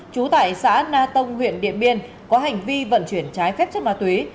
trú tại xã na tông huyện điện biên có hành vi vận chuyển trái phép chất ma túy